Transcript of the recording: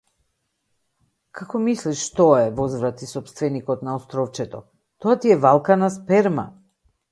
Како мислиш што е, возврати сопственикот на островчето, тоа ти е валкана сперма.